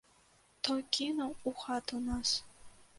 Той кіўнуў у хату нас.